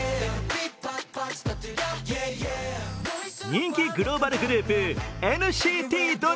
人気グローバルグループＮＣＴＤＲＥＡＭ。